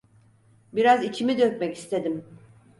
Biraz içimi dökmek istedim.